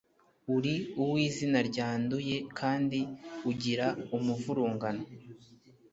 uri uw izina ryanduye kandi ugira umuvurungano